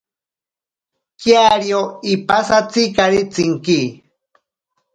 Kiario ipasatzikari tsinke.